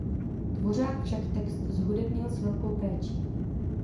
Dvořák však text zhudebnil s velkou péčí.